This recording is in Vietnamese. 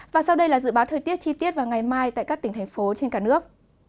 và sau đây là dự báo thời tiết chi tiết vào ngày mai tại các tỉnh thành phố trên cả nước